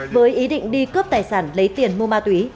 với ý định đi cướp tài sản lấy tiền mua ma túy